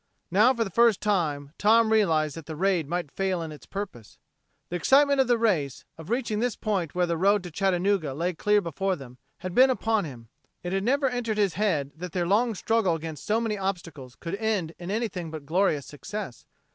Now, for the first time, Tom realized that the raid might fail in its purpose. The excitement of the race, of reaching this point where the road to Chattanooga lay clear before them, had been upon him; it had never entered his head that their long struggle against so many obstacles could end in anything but glorious success.